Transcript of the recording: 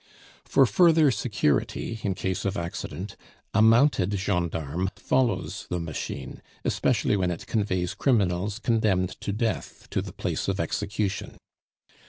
For further security, in case of accident, a mounted gendarme follows the machine, especially when it conveys criminals condemned to death to the place of execution.